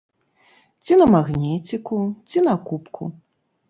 Ці на магніціку, ці на кубку.